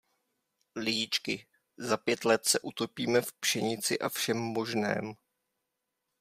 Lidičky, za pět let se utopíme v pšenici a všem možném.